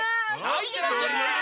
はいいってらっしゃい。